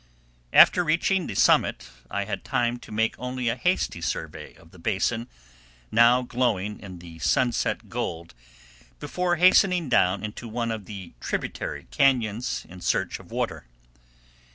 After reaching the summit I had time to make only a hasty survey of the basin, now glowing in the sunset gold, before hastening down into one of the tributary cañons in search, of water.